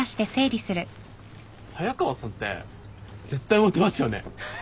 早川さんって絶対モテますよね。